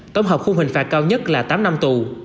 tổng hợp khung hình phạt cao nhất là tám năm tù